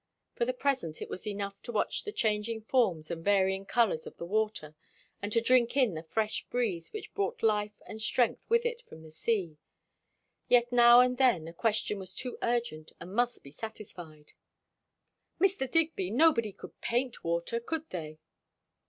For the present it was enough to watch the changing forms and varying colours of the water, and to drink in the fresh breeze which brought life and strength with it from the sea. Yet now and then a question was too urgent and must be satisfied. "Mr. Digby, nobody could paint water, could they?"